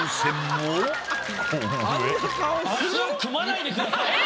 足を組まないでください！